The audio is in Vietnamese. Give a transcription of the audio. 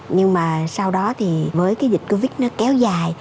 nhưng mà sau đó thì với cái dịch covid nó kéo dài